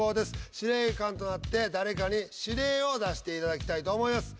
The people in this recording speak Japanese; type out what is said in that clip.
司令官となって誰かに指令を出していただきたいと思います。